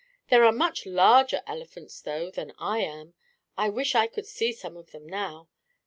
"There are much larger elephants though, than I am. I wish I could see some of them now.